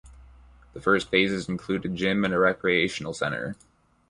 The first phases included a gym and a recreational center.